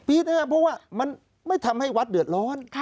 ผิดนะครับเพราะว่ามันไม่ทำให้วัดเดือดร้อน